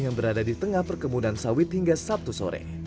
yang berada di tengah perkebunan sawit hingga sabtu sore